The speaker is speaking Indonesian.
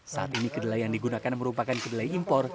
saat ini kedelai yang digunakan merupakan kedelai impor